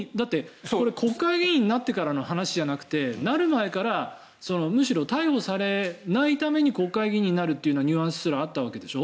これ、国会議員になってからの話じゃなくてむしろ逮捕されないために国会議員になるというニュアンスすらあったわけでしょ。